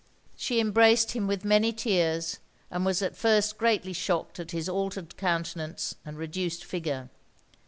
She embraced him with many tears; and was at first greatly shocked at his altered countenance and reduced figure.